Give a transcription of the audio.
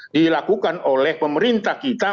dilakukan oleh pemerintah kita